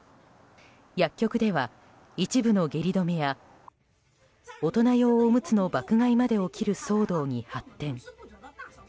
薬局では一部の下痢止めや大人用おむつの爆買いまで起きる騒動に発展。